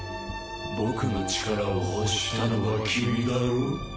僕の力を欲したのは君だろう？